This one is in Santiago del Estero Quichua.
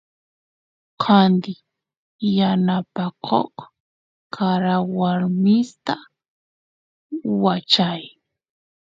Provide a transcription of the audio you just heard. candi yanapakoq karawarmista wachay